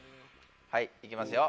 はいいきますよ